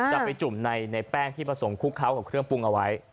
จะไปจุ่มในแป้งที่ผสมคลุกเคล้ากับเครื่องปรุงเอาไว้